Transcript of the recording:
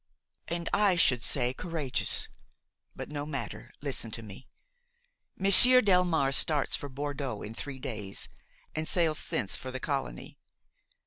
"And I should say courageous. But no matter; listen to me. Monsieur Delmare starts for Bordeaux in three days, and sails thence for the colony.